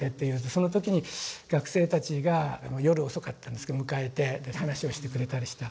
その時に学生たちが夜遅かったんですけど迎えて話をしてくれたりした。